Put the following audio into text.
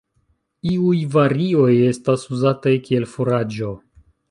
Iuj varioj estas uzataj kiel furaĝo.